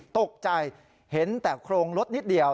ตกใจเห็นแต่โครงรถนิดเดียว